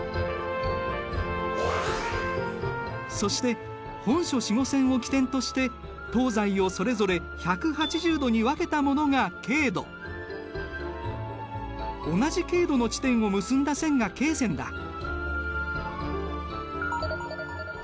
そして本初子午線を基点として東西をそれぞれ１８０度に分けたものが経度同じ経度の地点を結んだ線が経線だ。